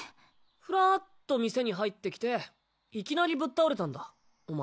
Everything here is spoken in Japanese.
ふらっと店に入ってきていきなりぶっ倒れたんだお前。